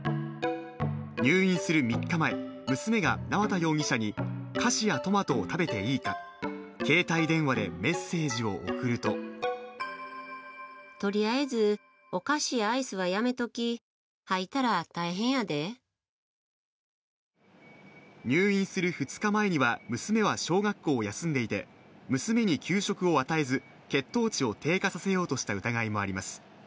入院する３日前、娘が縄田容疑者に菓子やトマトを食べていいか携帯電話でメッセージを送ると入院する２日前には娘は小学校を休んでいて、娘に給食を与えず、血糖値を低下させようとした疑いもあります。